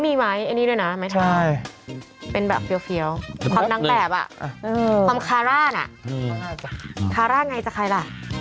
มีไหมอันนี้ด้วยนะไม่ใช่เป็นแบบเฟี้ยวความนางแบบความคาร่าน่ะคาร่าไงจะใครล่ะ